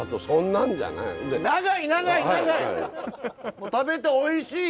もう食べて「おいしい！